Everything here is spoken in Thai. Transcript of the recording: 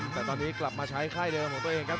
แต่ตอนนี้กลับมาใช้ค่ายเดิมของตัวเองครับ